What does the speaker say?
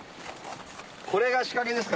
これが仕掛けですか？